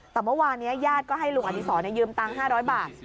แต่เมื่อวานนี้ญาติก็ให้ลุงอดีศรยืมตังค์๕๐๐บาท